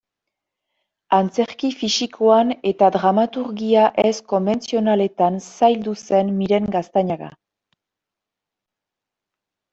Antzerki fisikoan eta dramaturgia ez-konbentzionaletan zaildu zen Miren Gaztañaga.